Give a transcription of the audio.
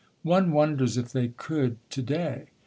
(One wonders if they could to day.)